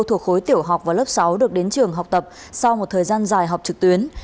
thuộc khối tiểu học và lớp sáu được đến trường học tập sau một thời gian dài học trực tuyến